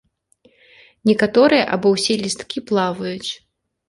Некаторыя або ўсе лісткі плаваюць.